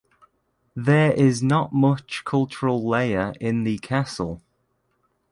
There is not much cultural layer in the castle.